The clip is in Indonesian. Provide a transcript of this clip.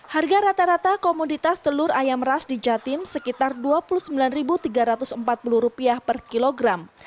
harga rata rata komoditas telur ayam ras di jatim sekitar rp dua puluh sembilan tiga ratus empat puluh per kilogram